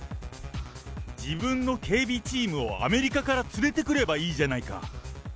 自分の警備チームをアメリカから連れてくればいいじゃないか。